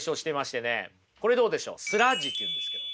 これどうでしょうスラッジっていうんですけど。